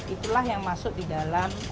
itulah yang masuk di dalam